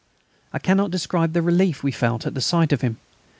I cannot describe the relief we felt at the sight of him.